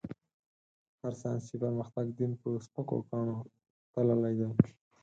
هر ساينسي پرمختګ؛ دين په سپکو کاڼو تللی دی.